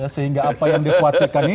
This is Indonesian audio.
sehingga apa yang dikhawatirkan ini